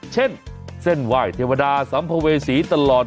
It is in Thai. เช่นเส้นว่ายเทวดาสัมโพเวศีตลอด